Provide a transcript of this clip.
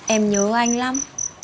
em nhớ anh lắm